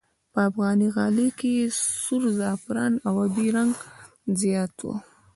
په افغاني غالۍ کې سور، زرغون او آبي رنګ زیات وي.